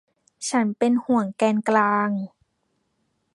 ฉันเป็นห่วงแกนกลาง